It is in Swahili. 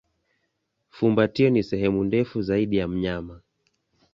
Fumbatio ni sehemu ndefu zaidi ya mnyama.